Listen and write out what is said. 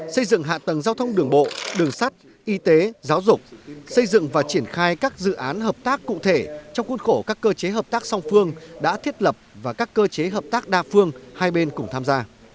xây dựng hạ tầng giao thông đường bộ đường sắt y tế giáo dục xây dựng và triển khai các dự án hợp tác cụ thể trong khuôn khổ các cơ chế hợp tác song phương đã thiết lập và các cơ chế hợp tác đa phương hai bên cùng tham gia